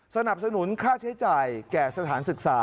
สนับสนุนค่าใช้จ่ายแก่สถานศึกษา